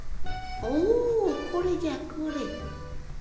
おこれじゃこれ。